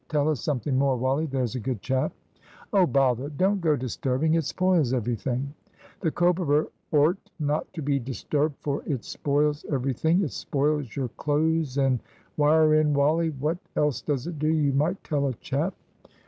Tell us something more, Wally, there's a good chap." "Oh, bother. Don't go disturbing, it spoils everything." "`The cobberer oart not to be disterbd for it spoyls everything it spoyls your close and ' wire in, Wally, what else does it do? You might tell a chap."